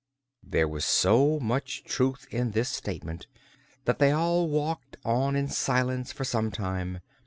There was so much truth in this statement that they all walked on in silence for some time.